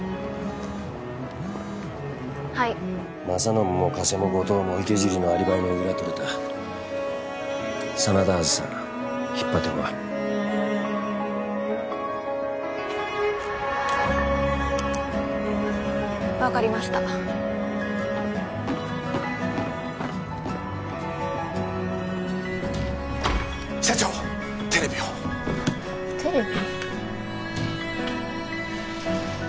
はい政信も加瀬も後藤も池尻のアリバイの裏とれた真田梓引っ張ってこい分かりました社長テレビをテレビ？